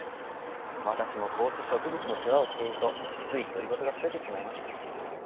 私もこうして植物の世話をしているとつい独り言が増えてしまいます。